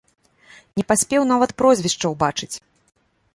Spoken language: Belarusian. Не паспеў нават прозвішча ўбачыць.